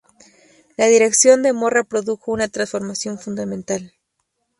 La dirección de Morra produjo una transformación fundamental.